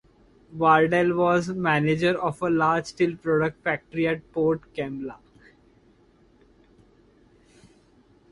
Wardell was manager of a large steel products factory at Port Kembla.